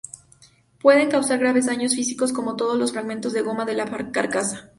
Pueden causar graves daños físicos, sobre todo los fragmentos de goma de la carcasa.